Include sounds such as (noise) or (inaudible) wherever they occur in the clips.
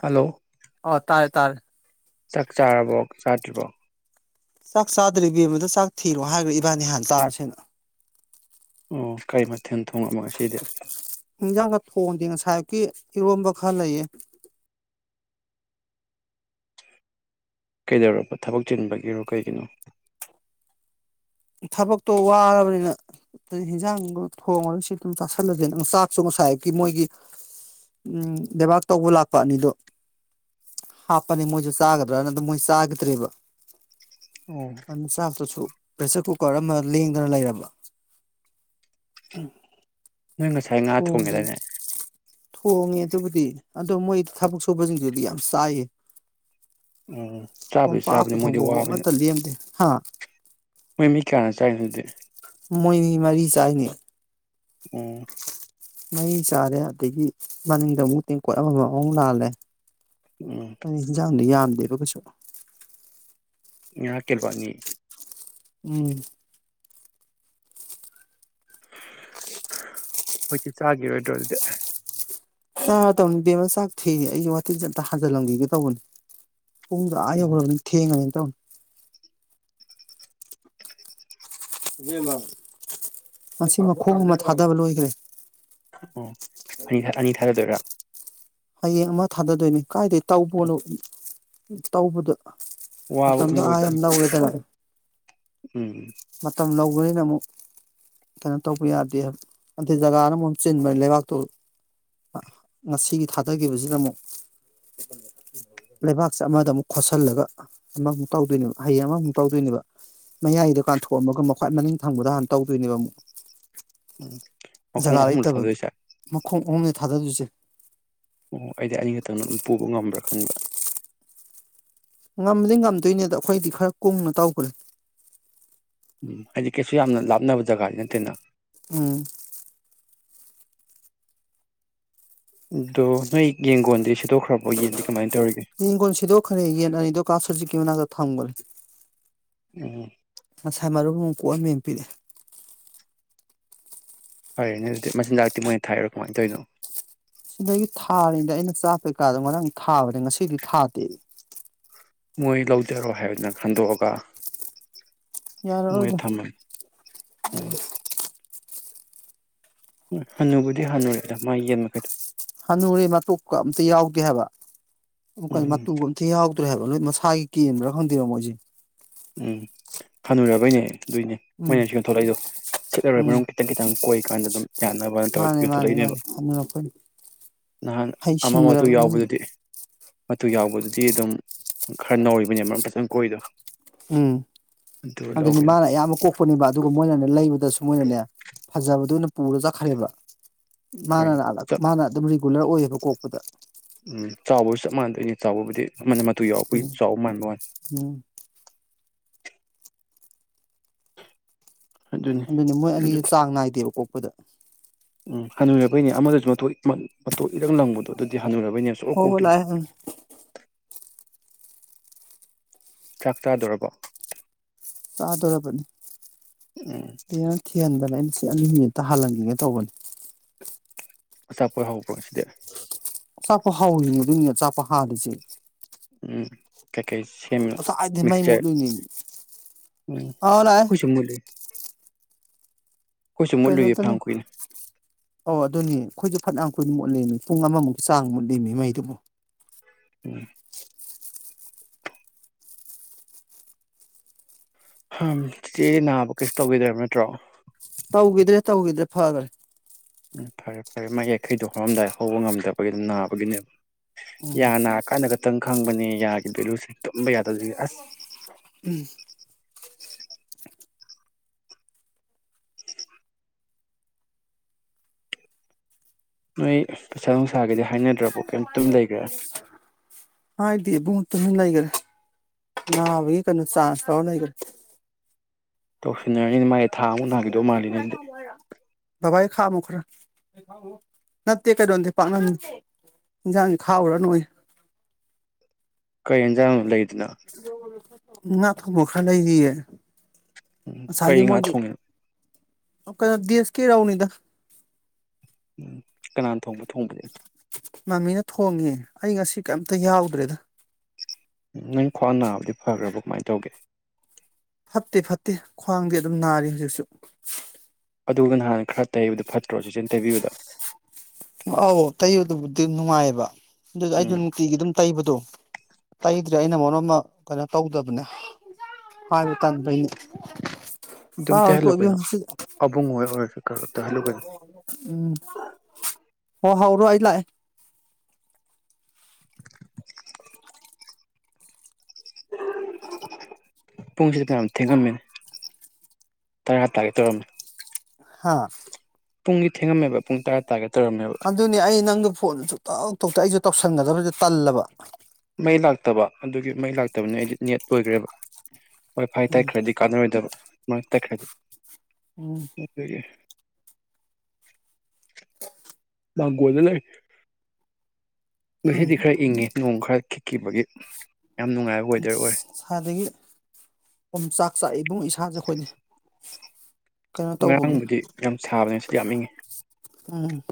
hello ꯇꯔ ꯆꯥꯛ ꯆꯥꯔꯕꯣ ꯆꯥꯗ꯭ꯔꯤꯕꯣ ꯆꯥꯛ ꯆꯥꯗ꯭ꯔꯦ ꯏꯕꯦꯝꯃꯗꯨ ꯆꯥꯛ ꯊꯤꯔꯣ ꯍꯥꯏꯈ꯭ꯔꯥ ꯏꯕꯥꯅꯤ ꯍꯥꯟꯅ ꯆꯥꯔꯁꯤꯦꯅ ꯑꯣ ꯀꯔꯤ ꯃꯊꯦꯜ ꯊꯣꯡ ꯑꯃꯣ ꯑꯁꯤꯗꯤ ꯍꯟꯁꯥꯡ ꯈ ꯊꯣꯡꯗꯦ ꯉꯁꯥꯏꯀꯤ ꯏꯔꯣꯟꯝꯕ ꯈꯔ ꯂꯩꯌꯦ ꯀꯩꯗꯧꯔꯕ ꯊꯕꯛ ꯆꯤꯟꯕꯒꯤꯔꯣ ꯀꯩꯒꯤꯅꯣ ꯊꯕꯛꯇꯣ ꯋꯥꯔꯕꯅꯤꯅ ꯍꯟꯖꯥꯡꯒ ꯊꯣꯡꯉꯒ ꯁꯤ ꯑꯗꯨꯝ ꯆꯥꯥꯁꯜꯂꯁꯦ ꯅꯪ ꯆꯥꯛꯁꯨ ꯉꯁꯥꯏꯒꯤ ꯃꯣꯏꯒꯤ ꯎꯝ ꯂꯩꯦꯕꯥꯛ ꯇꯧꯕ ꯂꯥꯛꯄ ꯑꯅꯤꯗꯣ ꯍꯥꯞꯄꯅꯤ ꯃꯣꯏꯁꯨ ꯆꯥꯒꯗ꯭ꯔꯅ ꯑꯗꯨꯝ ꯃꯣꯏ ꯆꯥꯈꯤꯗ꯭ꯔꯦꯕ ꯑꯣ ꯑꯁꯐꯁꯨ ꯁ ꯄ꯭ꯔꯦꯁꯔ ꯀꯨꯀꯔ ꯑꯃ ꯂꯦꯡꯗꯅ ꯂꯩꯔꯕ ꯎꯝ ꯅꯣꯏ ꯉꯁꯥꯏ ꯉꯥ ꯊꯣꯡꯉꯦꯗ ꯉ ꯊꯣꯡꯉꯦ ꯑꯗꯨꯕꯨꯗꯤ ꯑꯗꯣ ꯃꯣꯏ ꯊꯕꯛ ꯁꯨꯕꯁꯤꯡꯗꯨꯗꯤ ꯌꯥꯝ ꯆꯥꯏꯌꯦ ꯎ ꯆꯥꯕꯗꯤ ꯀꯣꯝꯄꯥꯛ ꯆꯥꯕꯅꯤ ꯃꯣꯏꯗꯤ ꯄꯨꯊꯣꯡꯐꯥꯎꯕ ꯋꯥꯕꯅꯤ ꯑꯃꯠꯇ ꯂꯦꯝꯗꯦ ꯍꯥ ꯃꯣꯏ ꯃꯤ ꯀꯌꯥꯅ ꯆꯥꯏ ꯑꯗꯨꯗꯤ ꯃꯣꯏ ꯃꯤ ꯃꯔꯤ ꯆꯥꯏꯅꯦ ꯎꯝ ꯃꯩ ꯆꯥꯔꯦ ꯑꯗꯒꯤ ꯃꯅꯤꯡꯗ ꯑꯃꯨꯛ ꯇꯦꯡꯀꯣꯠ ꯑꯃꯃꯝꯃꯨꯛ ꯂꯥꯜꯂꯦ ꯎꯝ ꯑꯩ ꯌꯥꯗ ꯌꯥ ꯗꯦꯕ ꯀꯩꯁꯨꯣ ꯉꯥꯛ ꯀꯦꯜꯕꯥꯅꯤ ꯎꯝ ꯍꯧꯣꯏꯀꯤ ꯆꯥꯈꯤꯔꯣꯏꯗ꯭ꯔꯗꯤ ꯆꯥꯔ ꯇꯕꯅꯤ ꯕꯦꯝꯃ ꯆꯥꯛ ꯊꯦ ꯑꯩꯒꯤ ꯋꯥꯇꯤꯟꯁꯦ ꯑꯝꯇ ꯍꯥꯟꯖꯤꯜꯂꯝꯕꯤꯒꯦ ꯇꯧꯕꯅꯤ ꯎꯨꯡ꯭ꯔꯥ ꯍꯥꯏ ꯎꯝ ꯊꯦꯡꯡꯉꯅꯤꯦꯟ ꯎ ꯑꯁꯤ ꯃꯈꯣꯡ ꯑꯃ ꯊꯥꯗꯕ ꯂꯣꯏꯈ꯭ꯔꯦ ꯑꯣ ꯅꯤ ꯑꯅꯤ ꯊꯥꯖꯗꯣꯏꯔꯥ ꯍꯌꯦꯡ ꯑꯃ ꯊꯥꯗꯗꯣꯏꯅꯦ ꯀꯥꯏꯗꯩ ꯇꯧꯕꯣꯅꯣ ꯇꯧꯕꯗꯣ ꯋꯥꯕ ꯃꯇꯝꯗꯣ ꯑꯃ ꯑꯥ ꯑꯣꯏꯗꯣꯏꯅꯤ ꯅꯧꯔꯦꯗꯅ ꯎꯝ ꯃꯇꯝ ꯂꯧꯕꯅꯤꯅ ꯑꯃꯨꯛ ꯀꯩꯅꯣ ꯇꯧꯕ ꯌꯥꯗꯦ ꯑꯟꯗꯦ ꯖꯒꯥꯅ ꯑꯃꯨꯛ ꯆꯤꯟꯕꯅꯤ ꯂꯩꯕꯥꯛꯇꯣ ꯉꯁꯤꯒꯤ ꯊꯥꯛ ꯊꯥꯗꯈꯤꯕꯁꯤꯅ ꯑꯃꯨꯛ ꯂꯩꯕꯥꯛꯁꯦ ꯑꯃꯗ ꯑꯃꯨꯛ ꯈꯣꯠꯁꯤꯜꯂꯒ ꯑꯃꯃꯨꯛ ꯇꯧꯗꯣꯏꯅꯦꯕ ꯍꯌꯦꯡ ꯑꯃꯃꯨꯛ ꯇꯧꯗꯣꯏꯅꯦꯕ ꯃꯌꯥꯏꯗꯣ ꯀꯥꯟꯊꯣꯛꯑꯝꯃꯒ ꯃꯈꯋꯥꯏ ꯃꯅꯤꯡ ꯊꯪꯕꯗ ꯍꯥꯟꯅ ꯇꯧꯗꯣꯏꯅꯦꯕ ꯑꯃꯨꯛ ꯎꯝ ꯃꯈꯣꯡ ꯖꯒꯥ ꯑꯍꯨꯝꯂꯛ ꯂꯩꯇꯕꯒꯤ ꯊꯥꯗꯣꯏꯁꯦ ꯃꯈꯣꯡ ꯑꯍꯨꯝ ꯊꯥꯗꯗꯣꯏꯁꯦ ꯈꯪꯕ ꯉꯝꯕꯗꯤ ꯉꯝꯗꯣꯏꯅꯦ ꯑꯗ ꯑꯈꯣꯏꯗꯤ ꯈꯔ ꯀꯨꯡꯅ ꯇꯧꯒ꯭ꯔꯦ ꯎꯝ ꯍꯥꯏꯗꯤ ꯀꯩꯁꯨ ꯌꯥꯝꯅ ꯂꯥꯞꯅꯕ ꯖꯒꯥꯗꯤ ꯅꯠꯇꯦꯅ ꯎꯝ ꯑꯗꯣ ꯅꯣꯏ ꯌꯦꯡꯒꯣꯟꯗꯤ ꯁꯤꯠꯇꯣꯛꯈ꯭ꯔꯕꯣ ꯌꯦꯟꯗꯤ ꯀꯃꯥꯏꯅ ꯇꯧ ꯌꯦꯟꯒꯣꯜ ꯁꯤꯗꯣꯛꯈ꯭ꯔꯦ ꯌꯦꯟ ꯑꯅꯤꯗꯣ ꯀꯥ ꯁꯨꯖꯤꯛꯀꯤ ꯃꯅꯥꯛꯇ ꯊꯝꯈ꯭ꯔꯦ (inaudible) ꯎꯝ ꯍꯥꯏ ꯃꯔꯨ ꯑꯃ ꯀꯣꯛꯑ ꯑꯝꯄꯦꯅ ꯄꯤꯔꯛꯑꯦ ꯐꯔꯦꯅꯦ ꯑꯗꯨꯗꯤ ꯃꯆꯤꯟꯖꯥꯛꯇꯤ ꯃꯣꯏꯅ ꯊꯥꯛꯏꯔꯣ ꯀꯃꯥꯏꯅ ꯇꯧꯔꯤꯅꯣ ꯁꯤꯗꯒꯤ ꯊꯥꯔꯤꯅꯤꯗ ꯑꯩꯅ ꯆꯥꯛ ꯀꯩꯀꯥꯗꯣ ꯉꯔꯥꯡ ꯊꯥꯕꯅꯦ ꯉꯁꯤꯗꯤ ꯊꯥꯗꯦ ꯃꯣꯏ ꯂꯧꯖꯔꯣ ꯍꯥꯏꯗꯅ ꯍꯟꯗꯣꯛꯑꯒ ꯌꯥꯔꯔꯣꯏꯗ ꯎꯝ ꯎꯝ ꯍꯅꯨꯕꯨꯗꯤ ꯍꯅꯨꯔꯦꯗ ꯃꯥ ꯌꯦꯡꯃꯒꯩꯗꯣ ꯍꯅꯨꯨꯔꯦ ꯃꯇꯣꯛꯀ ꯑꯝꯇ ꯌꯥꯎꯗꯦ ꯍꯥꯏꯕ ꯀꯜ ꯎꯝ ꯃꯇꯨꯒ ꯑꯝꯇ ꯌꯥꯥꯎ ꯍꯥꯏꯕ ꯃꯁꯥꯒꯤ ꯀꯦꯟꯕꯔꯥ ꯈꯪꯗꯦ ꯃꯣꯏꯁꯦ ꯎꯝ ꯍꯅꯨꯔꯕꯩꯅꯦ ꯑꯗꯨꯏꯅꯦ ꯎꯝ ꯃꯣꯏꯅꯁꯨ ꯌꯣꯟꯊꯣꯛꯂꯛꯏꯗꯣ ꯁꯤꯠꯂꯔꯣꯏ ꯎꯝ ꯃꯔꯨꯝ ꯈꯤꯇꯪ ꯈꯤꯇꯪ ꯀꯣꯛꯏꯀꯥꯟꯗ ꯑꯗꯨꯝ ꯌꯥꯅꯕꯅ ꯇꯧꯔ ꯃꯥꯅꯦ ꯃꯥꯅꯦ ꯌꯣꯟꯊꯣꯛꯂꯛꯏꯅꯦꯕ ꯃꯥꯅꯦ ꯍꯅꯨꯔꯛꯄꯩꯅꯤ ꯅꯍꯥꯟ ꯍꯩ ꯑꯃ ꯃꯇꯨ ꯁꯤꯡꯈ꯭ꯔꯕ ꯏꯃꯨꯡ ꯌꯥꯎꯕꯗꯨꯗꯤ ꯃꯇꯨ ꯌꯥꯎꯕꯗꯨꯗꯤ ꯑꯗꯨꯝ ꯈꯔ ꯅꯧꯔꯤꯕꯅꯦ ꯃꯔꯨꯝ ꯐꯖꯅ ꯀꯣꯛꯏꯗꯣ ꯎꯝ ꯑꯗꯨꯗꯤ ꯃꯥꯅ ꯑꯌꯥꯝꯕ ꯀꯣꯛꯄꯅꯦꯕ ꯑꯗꯨꯒ ꯃꯣꯏꯅꯅꯦ ꯂꯩꯕꯗꯁꯨ ꯃꯣꯏꯅꯅꯦ ꯐꯖꯕꯗꯨꯅ ꯄꯨꯔ ꯆꯠꯈ꯭ꯔꯦꯕ ꯃꯥꯅ ꯍꯣꯏꯅꯦ ꯂꯗ ꯆꯞ ꯃꯥꯅꯗ ꯔꯤꯒꯨꯂꯔ ꯑꯣꯏꯌꯦꯕ ꯀꯣꯛꯄꯗ ꯎꯝ ꯆꯥꯎꯕꯁꯨ ꯆꯞ ꯃꯥꯟꯅꯗꯣꯏ ꯑꯅꯤ ꯆꯥꯎꯕꯕꯨꯗꯤ ꯃꯥꯅꯦ ꯃ ꯇꯨ ꯌꯥꯎꯕꯩ ꯎꯝ ꯆꯥꯎ ꯃꯥꯟ ꯋꯥ ꯎꯝ ꯑꯗꯨꯅꯤ ꯑꯗꯨꯅꯦ ꯃꯣꯏ ꯑꯗꯨ ꯑꯅꯤ ꯆꯥꯡ ꯅꯥꯏꯗꯦꯕꯀꯣ ꯄꯗ ꯎꯝ ꯍꯟꯕꯩꯅꯦ ꯑꯃꯗꯁꯨ ꯃꯇ ꯃꯇ ꯏꯔꯪ ꯂꯪꯕꯗꯣ ꯑꯗꯨꯗꯤ ꯅꯤꯁꯨ ꯑꯣ ꯍꯣꯏ ꯍꯣꯏ ꯀꯣꯇꯤꯗ ꯂꯥꯛꯑꯦ ꯎꯝ ꯆꯥꯛ ꯆꯥꯗꯔꯕ ꯇꯥꯗꯔꯄ ꯎꯝ ꯊꯤꯍꯟꯗꯅ ꯑꯩꯅ ꯁꯤ ꯑꯅꯤ ꯃꯤꯅꯤꯠꯇ ꯍꯜꯍꯟꯈꯤꯒꯦ ꯇꯧꯕꯅꯤ ꯑ ꯆꯥꯞꯄꯣꯏ ꯍꯥꯎ ꯐꯔꯣꯁꯤꯗ ꯆꯄ ꯍꯥꯎꯔꯤ ꯑꯗꯨꯅꯤꯅꯦ ꯆꯄ ꯍꯥꯜꯂꯤꯁꯦ ꯎꯝ ꯀꯀꯩꯁꯤ ꯑꯣꯁꯥꯏꯗꯤꯃꯥꯏ ꯃꯣꯠꯂꯨꯅꯤꯃꯤ ꯎꯝ ꯑ ꯂꯥꯏ ꯑꯩꯈꯣꯏꯁꯨ ꯃꯨꯠꯂꯨꯏ ꯑꯩꯈꯣꯏꯁꯨ ꯃꯨꯠꯂꯨꯏꯌꯦ ꯀꯩꯅꯣꯗꯅ ꯐꯅꯌꯥꯝ ꯀꯨꯏꯅ ꯑꯣ ꯑꯗꯨꯅꯤ ꯑꯩꯈꯣꯏꯁꯨꯦ ꯐꯅ ꯑꯩꯈꯣꯏꯅ ꯃꯨꯠꯂꯃꯤ ꯄꯨꯡ ꯑꯃꯃꯨꯛꯀꯤ ꯆꯥꯡ ꯃꯨꯠ ꯂꯦꯝꯃꯤ ꯃꯩꯗꯨꯕꯨ ꯎꯝ ꯆꯤꯆꯦ ꯅꯥꯕ ꯀꯩꯁꯨ ꯇꯧꯤꯗꯣꯏꯔꯤꯕ ꯅꯠꯇ꯭ꯔꯣ ꯇꯧꯈꯤꯗ꯭ꯔꯦ ꯇꯧꯈꯤꯗ꯭ꯔꯦ ꯐꯈ꯭ꯔꯦ ꯎꯝ ꯐꯔꯦ ꯐꯔꯦ ꯃꯥ ꯌꯥꯡꯈꯩꯗꯣ ꯍꯧꯔꯝꯗꯥꯏ ꯍꯧꯕ ꯉꯝꯗꯕꯒꯤ ꯑꯗꯨꯝ ꯅꯥꯕꯒꯤꯅꯦꯕ ꯎꯝ ꯌꯥꯅꯥ ꯀꯥꯅꯒ ꯈꯤꯇꯪ ꯈꯪꯕꯅꯤ ꯌꯥꯒꯤ ꯚꯦꯂꯨꯁꯦ ꯇꯨꯝꯕ ꯌꯥꯗ ꯑꯁ ꯎꯝ ꯅꯣꯏ ꯄꯩꯁꯥ ꯅꯨꯡꯁꯥꯒꯤꯗꯤ ꯍꯥꯏꯅꯗ꯭ꯔꯕꯣ ꯀꯩꯝꯇꯨꯝ ꯂꯩꯈ꯭ꯔꯦ ꯍꯥꯏꯗꯤ ꯏꯕꯨꯡ ꯇꯨꯃꯤ ꯂꯩꯈ꯭ꯔꯦ ꯅꯥꯕꯒꯤ ꯀꯩꯅꯣ ꯆꯥꯟꯁ ꯂꯧꯔ ꯂꯩꯈ꯭ꯔꯦ ꯇꯧꯁꯤꯅ ꯃꯥꯥꯏ ꯊꯥꯎꯅꯒꯗꯣ ꯃꯥꯅꯦ ꯕꯕꯥꯒꯤ ꯈꯥꯝꯃꯨ ꯈꯔ ꯅꯠꯇꯦ ꯀꯩꯩꯅꯣꯗꯤꯦ ꯄꯥꯛꯅꯝꯅꯤ ꯏꯟꯖꯥꯡꯁ ꯈꯥꯎꯔꯥ ꯅꯣꯏ ꯀꯩꯟꯖꯥꯡ ꯂꯩ ꯑꯣ ꯉꯅꯥ ꯊ ꯃꯈ ꯈ ꯂꯩꯌꯦ ꯎ ꯀꯩ ꯉꯥꯥꯛ ꯊꯣꯡꯉ ꯑꯣ ꯀꯣꯏ ꯁꯀꯤꯦꯔꯥꯎꯅꯤꯗ ꯎꯝ ꯀꯅꯥꯅ ꯊꯣꯡꯕ ꯊꯣꯡꯕꯗ ꯃꯃꯤꯅ ꯊꯣꯡꯉꯦ ꯑꯩ ꯉꯁꯤ ꯀꯩꯝꯇ ꯌꯥꯎꯗ꯭ꯔꯦꯗ ꯅꯪ ꯈ꯭ꯋꯥ ꯅꯥꯕꯗꯤ ꯐꯈ꯭ꯔꯕ ꯀꯃꯥꯏꯅ ꯇꯧꯒꯦ ꯐꯠꯇꯦ ꯐꯠꯇꯦ ꯈ꯭ꯋꯥꯡꯗꯤ ꯑꯗꯨꯝ ꯅꯥꯔꯤ ꯍꯧꯖꯤꯛꯁꯨ ꯑꯗꯨꯒ ꯅꯍꯥꯟ ꯈꯔ ꯇꯩꯕꯗꯨ ꯐꯠꯇ꯭ꯔꯣ ꯆꯤꯆꯦꯟ ꯇꯩꯕꯤꯕꯗ ꯑ ꯇꯣ ꯑꯗꯨꯕꯨꯗꯤ ꯅꯨꯡꯉꯥꯏꯌꯦꯕ ꯑꯗꯨ ꯑꯩꯗꯣ ꯎꯝ ꯅꯨꯡꯇꯤꯒꯤ ꯑꯗꯨꯝ ꯇꯩꯕꯗꯣ ꯇꯩꯗ꯭ꯔꯦ ꯑꯩꯅ ꯃꯔꯝ ꯑꯃ ꯀꯩꯅꯣ ꯇꯧꯗꯕꯅꯦ ꯍꯥꯏꯕ ꯇꯗꯅꯦ ꯇꯥ ꯑꯗꯨꯝ ꯇꯩꯍꯜꯂꯨ ꯀꯩꯅꯣ ꯇ ꯑꯕꯨꯡ ꯍꯣꯏ ꯑꯣꯏꯔꯁꯨ ꯀꯩꯅꯣ ꯇꯩꯍꯜꯂꯨ ꯀꯩꯅꯣ ꯎꯝ ꯍꯣ ꯍꯥꯎꯔꯣ ꯑꯩ ꯂꯥꯛꯑꯦ ꯄꯨꯡꯁꯤꯗ ꯇꯔꯝ ꯊꯦꯡꯉꯝꯃꯦꯅꯦ ꯇꯔꯥ ꯍꯞꯇꯥꯒꯦ ꯇꯧꯔꯝꯃꯦ ꯍꯥ ꯄꯨꯡꯗꯤ ꯊꯦꯡꯉꯝꯃꯦꯕ ꯄꯨꯡ ꯇꯔꯥ ꯇꯥꯔꯒꯦ ꯑꯗꯨꯅꯤ ꯑꯩ ꯅꯪꯗ ꯐꯣꯟꯁꯨ ꯇ ꯇꯣꯛꯇ ꯑꯩꯁꯨ ꯇꯧꯁꯟꯒꯗꯕꯁꯤꯗ ꯇꯜꯂꯕ ꯃꯩ ꯂꯥꯛꯇꯕ ꯑꯗꯨꯒꯤ ꯃꯩ ꯂꯥꯛꯇꯕꯅꯤ ꯑꯩꯗꯤ ꯅꯦꯠ ꯑꯣꯏꯈ꯭ꯔꯦꯕ ꯍꯣꯏ ꯐꯔ ꯇꯥꯏ ꯈꯔꯗꯤ ꯀꯥꯟꯅꯔꯣꯏꯗꯕ ꯃꯣꯏ ꯇ ꯈꯥꯏꯗꯤ ꯎꯝ ꯑ (unintelligible) ꯂꯥꯡꯒꯣꯟꯗ ꯂꯩ ꯎꯝ ꯉꯁꯤꯗꯤ ꯈꯔ ꯏꯪꯉꯦ ꯅꯣꯡ ꯈꯔ ꯈꯤ ꯈꯤꯕꯒꯤ ꯁꯥꯗꯒꯤ ꯄꯨꯝꯆꯥꯛ ꯆꯥꯛ ꯏꯕꯨꯡ ꯏꯁꯥꯁꯦ ꯑꯩꯈꯣꯏꯗꯤ (unintelligible) ꯉꯔꯥꯡꯕꯨꯗꯤ ꯌꯥꯝ ꯁꯥꯕꯅꯤ ꯁꯤꯗꯤ ꯌꯥꯝ ꯏꯉꯤ ꯎꯝ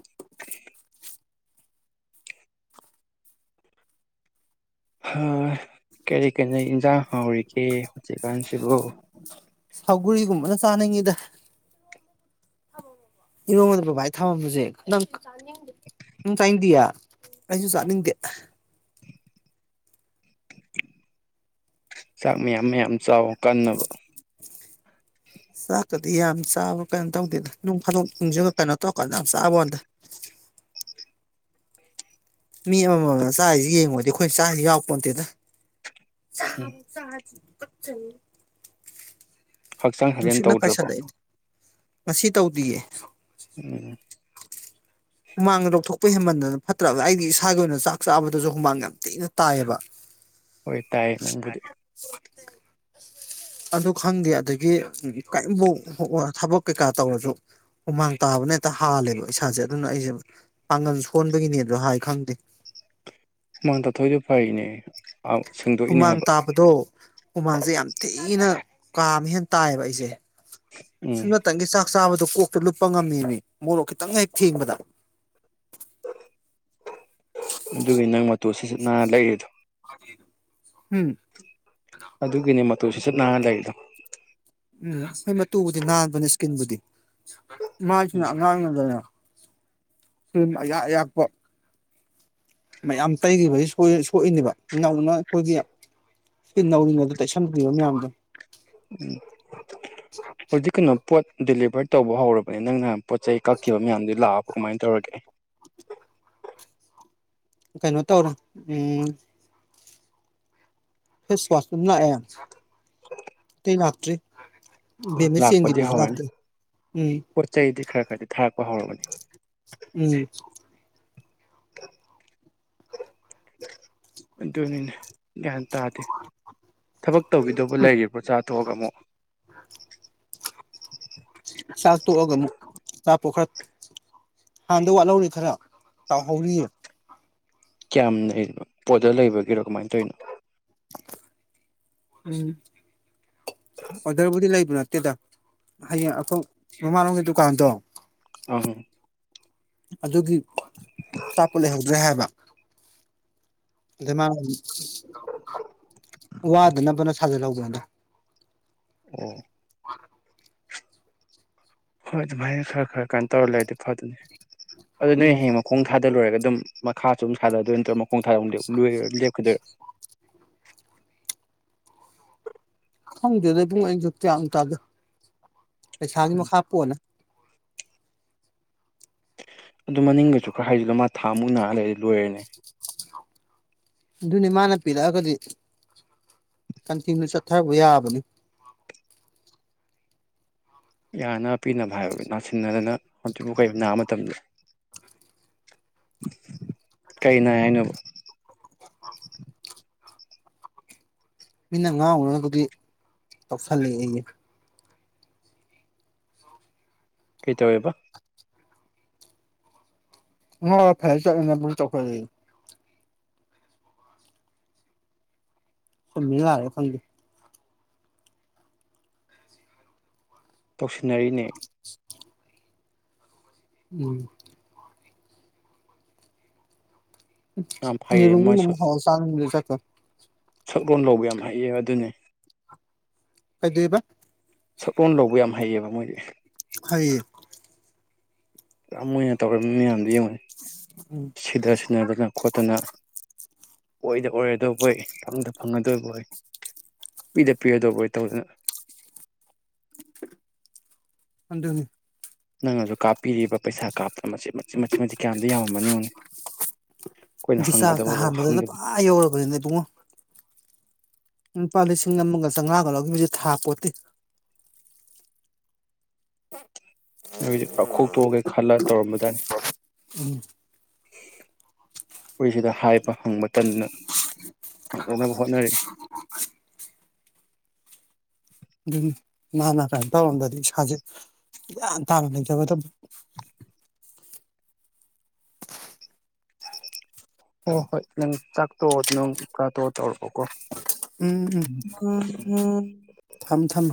ꯀꯔꯤ -ꯀꯔꯤ ꯏꯟꯖꯥꯡ ꯍꯥꯎꯔꯤꯒꯦ ꯍꯧꯖꯤꯛꯀꯥꯟꯁꯤꯕꯨ ꯁꯧꯒ꯭ꯔꯤꯒꯨꯝꯕꯅ ꯆꯥꯅꯤꯡꯉꯤꯗ ꯏꯔꯣꯜꯂꯨꯕ ꯕꯕꯥꯏ ꯊꯝꯃꯝꯕꯁꯦ ꯅꯪ ꯆꯥꯅꯤꯡꯗꯤꯌꯦ ꯑꯩꯁꯨ ꯆꯥꯅꯤꯡꯗꯦ ꯆꯥꯛ ꯃꯌꯥꯝ -ꯃꯌꯥꯝ ꯆꯥꯎ ꯀꯟꯅꯕ ꯆꯥꯛꯀꯥꯗꯤ ꯌꯥꯝ ꯆꯥꯕ꯭ꯔ ꯀꯩꯅꯣ ꯇꯧꯗꯦꯗ ꯅꯨꯡ ꯐꯥꯗꯣꯛ ꯅꯨꯡꯁꯤ ꯀꯩꯅꯣ ꯇꯧꯔꯀꯥꯟꯗ ꯌꯥꯝ ꯆꯥꯕ ꯋꯥꯅꯤꯗ ꯃꯤ ꯑꯃꯃꯝꯅ ꯆꯥꯔꯤꯁꯤ ꯌꯦꯡꯉꯨꯔꯗꯤ ꯑꯩꯈꯣꯏ ꯆꯥꯔꯤꯁꯤ ꯌꯥꯎꯔꯛꯄ ꯅꯠꯇꯦꯗ ꯎꯝ ꯆꯥꯕꯥꯎ ꯆꯥ ꯇꯨꯒꯠꯆꯩꯌꯦ ꯍꯛꯆꯥꯡ ꯁꯥꯖꯦꯜ ꯇꯧꯗ꯭ꯔꯕꯣ ꯃꯁꯤ ꯇꯧꯗꯤꯌꯦ ꯁꯞ ꯎꯨꯝ ꯍꯨꯃꯥꯡꯗ ꯂꯧꯊꯣꯛꯄ ꯍꯦꯟꯃꯟꯗꯅ ꯐꯠꯇ꯭ꯔꯕ ꯑꯩꯒꯤ ꯏꯁꯥꯒꯤ ꯑꯣꯏꯅ ꯆꯥꯛ ꯆꯥꯕꯗꯁꯨ ꯍꯨꯃꯥꯡꯒꯥ ꯌꯥꯝ ꯊꯤꯅ ꯇꯥꯏꯑꯕ ꯍꯣꯏ ꯇꯥꯏꯌꯦ ꯅꯪꯕꯨꯗꯤ ꯑꯗꯨ ꯈꯪꯗꯦ ꯑꯗꯒꯤ ꯀꯩꯝꯐꯧ ꯊꯕꯛ ꯀꯩꯀꯥ ꯇꯧꯔꯁꯨ ꯍꯨꯃꯥꯡ ꯇꯥꯕꯅ ꯍꯦꯛꯇ ꯍꯥꯜꯂꯦꯕ ꯏꯁꯥꯁꯦ ꯑꯗꯨꯅ ꯑꯩꯁꯦ ꯄꯥꯡꯒꯜ ꯁꯣꯟꯕꯒꯤꯅꯦꯁꯨ ꯍꯥꯏ ꯈꯪꯗꯦ ꯍꯨꯃꯥꯡ ꯇꯥꯊꯣꯛꯏꯗꯣ ꯐꯩꯅꯦ ꯍꯨꯃꯥꯡ ꯇꯥꯕꯗꯣ ꯍ ꯍꯨꯃꯥꯡꯁꯦ ꯌꯥꯝ ꯊꯤꯅ ꯀꯥ ꯑꯃ ꯍꯦꯟꯅ ꯇꯥꯏꯌꯦꯕ ꯑꯩꯁꯦ ꯎꯝ ꯁꯨꯝꯅꯇꯪꯒꯤ ꯆꯥꯛ ꯆꯥꯕꯗꯣ ꯀꯣꯛꯇ ꯂꯨꯞꯄ ꯉꯝꯃꯦꯃꯤ ꯃꯣꯔꯣꯛ ꯈꯤꯇꯪ ꯍꯦꯛ ꯊꯦꯡꯕꯗ ꯑꯗꯨꯒꯤ ꯅꯪ ꯃꯇꯨ ꯁꯤꯠ ꯁꯤꯠ ꯅꯥꯟ ꯂꯩꯔꯤꯗꯣ ꯈꯗꯦ ꯑꯗꯨ ꯑꯗꯨꯒꯤꯅꯤ ꯃꯥ ꯇꯨ ꯁꯤꯠ ꯁꯤꯠ ꯅꯥꯟꯅ ꯂꯩꯔꯤꯗꯣ (inaudible) ꯇꯨꯕꯨꯗꯤ ꯅꯥꯟꯕꯅꯦ ꯏꯁꯀꯤꯟꯕꯨꯗꯤ ꯃꯥꯏꯁꯤꯅ ꯎꯝ ꯉꯥꯡ ꯉꯗ ꯊꯨꯝ ꯑꯌꯥꯥꯛ ꯑꯌꯥꯛꯄ ꯃꯌꯥꯝ ꯇꯩꯈꯤꯕꯁꯤ ꯁꯣꯛꯏꯅꯦꯕ ꯅꯧꯅ ꯑꯩꯈꯣꯏꯒꯤ ꯁꯀꯤꯟ ꯅꯧꯔꯤꯉꯩꯗ ꯇꯩꯁꯟꯈꯤꯕ ꯃꯌꯥꯝꯗꯣ ꯎꯝ ꯍꯧꯖꯤꯛ ꯀꯩꯅꯣ ꯄꯣꯠ ꯗꯤꯂꯤꯚꯔ ꯇꯧꯕ ꯍꯧꯔꯕꯅꯦ ꯅꯪꯅ ꯄꯣꯠ ꯆꯩ ꯀꯛꯈꯤꯕ ꯃꯌꯥꯝꯗꯨ ꯂꯥꯛꯑꯕ ꯀꯃꯥꯏꯅ ꯇꯧꯔꯒꯦ ꯀꯩꯅꯣ ꯇꯧꯔꯣ ꯎꯝ ꯐꯦꯁꯋꯥꯁ ꯇꯨꯝ ꯂꯥꯛ ꯌꯦ ꯂꯥꯛꯇ꯭ꯔꯤ ꯕꯦꯝꯃ ꯂꯥꯛꯄꯗꯤ ꯆꯦꯟꯒꯤꯕꯗꯨꯁꯨ ꯍꯧꯔꯅꯤ ꯂꯥꯛꯇ꯭ꯔꯤ ꯎꯝ ꯄꯣꯠ ꯆꯩꯗꯤ ꯈꯔ ꯈꯔꯗꯤ ꯊꯥ ꯍꯧꯔꯕꯅꯦ ꯎꯝ ꯑꯗꯨꯅꯤꯅꯦ ꯒ꯭ꯌꯥꯟ ꯇꯥꯗꯦ ꯊꯕꯛ ꯇꯧꯕꯤꯗꯧꯕ ꯂꯩꯔꯤꯕ꯭ꯔꯣ ꯆꯥꯊꯣꯛꯑꯒ ꯑꯃꯨꯛ ꯆꯥꯛ ꯇꯣꯛꯑꯒ ꯑꯃꯨꯛ ꯑꯆꯥꯄꯣꯠ ꯈꯔ ꯍꯥꯟꯗꯧꯕ ꯋꯥꯠꯍꯧꯔꯤ ꯈꯔ ꯇꯥꯎꯍꯧꯔꯤꯌꯦ ꯀꯌꯥꯝ ꯂꯩꯕ ꯑꯣꯔꯗꯔ ꯂꯩꯕꯒꯤꯔꯣ ꯀꯃꯥꯏꯅ ꯇꯧꯔꯤꯅꯣ ꯎꯝ ꯑꯣꯗꯔꯕꯨꯗꯤ ꯂꯩꯕ ꯅꯠꯇꯦꯗ ꯍꯌꯦꯡ ꯑꯩꯈꯣꯏ ꯃꯃꯥꯡꯂꯣꯝꯒꯤ ꯗꯨꯀꯥꯟꯗꯣ ꯑꯪ ꯑꯗꯨꯒꯤ ꯑꯆꯥꯄꯣꯠ ꯂꯩꯍꯧꯗ꯭ꯔꯦ ꯍꯥꯏꯕ ꯑꯗꯃꯥ ꯋꯥꯗꯅꯕꯅ ꯁꯥꯖꯜꯍꯧꯕꯗ ꯎꯝ (inaudible) ꯍꯣꯏ ꯑꯗꯨꯃꯥꯏꯅ ꯈꯔ ꯈꯔ ꯀꯥꯏ ꯇꯧꯔ ꯂꯩꯔꯗꯤ ꯐꯗꯅꯤ ꯑꯗꯨ ꯅꯣꯏ ꯍꯌꯦꯡ ꯃꯈꯣꯡ ꯊꯥꯗ ꯗ ꯂꯣꯏꯔꯒ ꯑꯗꯨꯝ ꯃꯈꯥꯁꯨ ꯊꯥꯗꯣꯏꯔ ꯅꯠꯇ꯭ꯔꯣ ꯃꯈꯣꯡ ꯊꯥꯗꯣꯏ ꯂꯦꯞꯀꯗꯣꯏꯔꯥ ꯈꯪꯗꯦꯗ ꯏꯕꯨꯡꯌꯣ ꯑꯩꯗꯣ ꯇꯤꯌꯥꯟ ꯇꯗꯦ ꯄꯩꯁꯥꯒꯤ ꯎꯝ ꯃꯈ ꯍꯣꯟꯅꯦ ꯑꯗꯨ ꯃꯅꯤꯡꯒꯁꯨ ꯈꯔ ꯍꯥꯏꯖꯤꯂꯣ ꯃꯥ ꯊꯥ ꯃꯨꯛ ꯅꯥ ꯂꯩꯗꯤ ꯂꯣꯏꯔꯦꯅꯦ ꯑꯗꯨꯅꯦ ꯃꯥꯅ ꯄꯤꯔꯛꯑꯒꯗꯤ ꯀꯟꯆꯤꯡꯗꯨ ꯆꯠꯊꯔꯨꯕ ꯌꯥꯕꯅꯤ ꯌꯥꯅꯕ ꯄꯤꯅꯕ ꯍꯥꯏꯕ ꯅꯥꯁꯤꯟꯅꯗꯅ ꯍꯧꯖꯤꯛꯕꯨ ꯀꯔꯤ ꯅꯥꯕ ꯃꯇꯝꯂꯣ ꯀꯩ ꯅꯥꯏ ꯍꯥꯏꯅꯣꯕ ꯃꯤꯅ ꯉꯥꯎꯅꯅꯥꯒꯤ ꯇꯧꯁꯜꯂꯛꯑꯦ ꯌꯦ ꯀꯩ ꯇꯧꯋꯦꯕ (unintelligible) ꯆꯨꯝꯃꯤ ꯂꯥꯟꯂꯤꯔꯥ ꯈꯪꯗꯦ ꯇꯧꯁꯤꯟꯅꯔꯤꯅꯦ ꯎꯝ ꯌꯥꯝ ꯍꯩꯌꯦ ꯌꯦꯔꯨꯝ ꯃꯥꯁꯨ ꯒꯨꯝꯕꯃ (unintelligible) ꯇ ꯁꯛꯂꯣꯟ ꯂꯧꯕ ꯌꯥꯝ ꯍꯥꯏꯌꯦ ꯑꯗꯨꯅꯤ ꯀꯩꯗꯨꯏꯕ ꯁꯛꯂꯣꯟ ꯂꯧꯕ ꯌꯥꯝꯃ ꯍꯩꯌꯦꯕ ꯃꯣꯏꯗꯤ ꯍꯩꯌꯦ ꯌꯥꯝꯃꯣꯏꯅ ꯇꯧꯔꯝꯃꯤ ꯌꯥꯝꯗꯣ ꯌꯦꯡꯉꯣ ꯎꯝ ꯁꯤꯗꯥ ꯁꯤꯅꯥꯗꯅ ꯈꯣꯠꯇꯅ ꯑꯣꯏꯗ ꯑꯣꯏꯔꯗꯧꯕꯣꯏ ꯐꯪꯗ ꯐꯪꯉꯗꯕꯣꯏ ꯄꯤꯗ ꯄꯤꯔꯗꯧꯕꯣꯏ ꯇꯧꯗꯅ ꯍꯅꯤ (unintelligible) ꯅꯪꯅꯁꯨ ꯀꯥꯞꯄꯤꯔꯤꯕ ꯄꯩꯁꯥ ꯀꯥꯞ ꯃꯆꯦꯠ ꯃꯆꯦꯠ ꯃꯆꯦꯠ ꯃꯆꯤꯠ ꯀꯌꯥꯝꯗꯤ ꯌꯥꯝꯃꯝꯃꯅꯤ ꯌꯦꯡꯉꯣꯅꯤ ꯑꯩꯈꯣꯏꯅ ꯔꯤꯆꯥꯔꯖꯇ ꯍꯥꯟꯕꯗꯅ ꯍꯪꯒꯗꯕꯧꯍꯪꯗꯦ ꯄꯨꯔꯥ ꯌꯧꯔꯕꯅꯤꯅꯦ ꯏꯕꯨꯡꯉꯣ ꯂꯨꯄꯥ ꯂꯤꯁꯤꯡ ꯑꯃꯒ ꯆꯪ ꯂꯒ ꯑꯗꯨꯁꯨ ꯊꯥꯄꯣꯠꯇꯦ ꯑꯩꯗꯤ ꯄꯥꯛꯈꯣꯛ ꯇꯣꯛꯑꯒꯦ ꯈꯜꯂ ꯇꯧꯔꯝꯕꯗꯥꯅꯤ ꯑꯩꯈꯣꯏꯁꯤꯗ ꯍꯥꯏꯕ ꯍꯪꯕ ꯇꯟꯗꯅ ꯐꯪꯅꯅꯕ ꯍꯣꯠꯅꯔꯤ ꯑꯗꯨꯅꯦ ꯃꯅ ꯀꯩꯅꯣ ꯇꯧꯔꯝꯗ꯭ꯔꯗꯤ ꯏꯁꯥꯖꯧ ꯒ꯭ꯥꯌꯟ ꯇꯅ ꯂꯩꯔꯝꯗꯧꯅꯤ ꯍꯣꯏ ꯍꯣꯏ ꯅꯪ ꯆꯥꯛꯇꯣꯛꯑꯣ ꯅꯪ ꯆꯥꯛꯇꯣꯛꯑꯣ ꯇꯧꯔꯛꯑꯣꯀꯣ ꯎ (unintelligible) (inaudible) ꯎꯝ (unintelligible) ꯊꯝ ꯊꯝ